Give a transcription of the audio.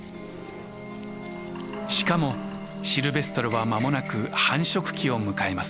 しかもシルベストルはまもなく繁殖期を迎えます。